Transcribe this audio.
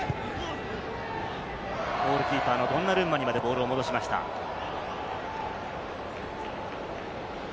ゴールキーパーのドンナルンマまでボールを戻しました。